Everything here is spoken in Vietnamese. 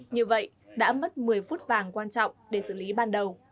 như vậy đã mất một mươi phút vàng quan trọng để xử lý ban đầu